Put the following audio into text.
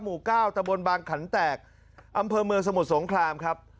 หมู่เก้าตะบนบางขันแตกอำเภอเมืองสมุทรสงครามครับ